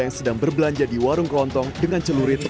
yang sedang berbelanja di warung kelontong dengan celurit